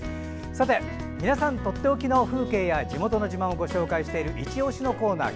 さて、皆さんとっておきの風景や地元の自慢をご紹介するいちオシのコーナー。